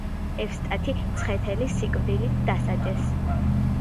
ევსტათი მცხეთელი სიკვდილით დასაჯეს.